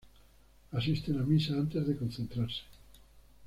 Asisten a misa antes de concentrarse.